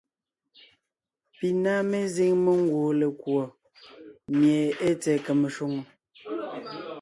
Pi ná mezíŋ mengwoon lekùɔ mie ée tsɛ̀ɛ kème shwòŋo.